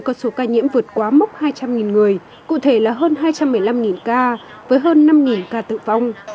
có số ca nhiễm vượt quá mốc hai trăm linh người cụ thể là hơn hai trăm một mươi năm ca với hơn năm ca tử vong